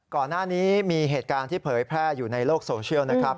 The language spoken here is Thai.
ก่อนหน้านี้มีเหตุการณ์ที่เผยแพร่อยู่ในโลกโซเชียลนะครับ